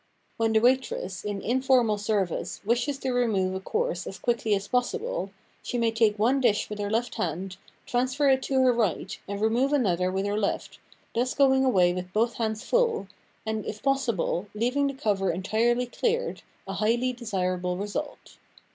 When the waitress, in informal ser vice, wishes to remove a course as quickly as possible, she may take one dish with her left hand, transfer it to her right, and remove another with her left, thus going away with both hands full, and, if possible, leaving the cover entirely cleared, a highly desirable result.